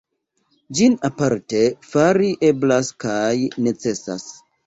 Ĝin aparte fari eblas kaj necesas.